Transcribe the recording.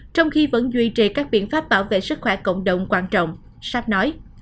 trong khi vẫn duy trì các biện pháp bảo vệ sức khỏe cộng đồng quan trọng sát nói